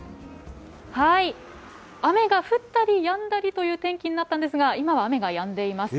雨が降ったりやんだりという天気になったんですが、今は雨がやんでいます。